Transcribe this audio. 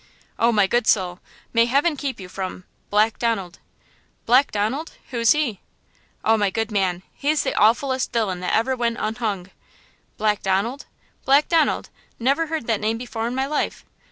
"Oh, my good soul, may heaven keep you from–Black Donald!" "Black Donald–who's he?" "Oh, my good man, he's the awfullest villain that ever went unhung!" "Black Donald? Black Donald? Never heard that name before in my life?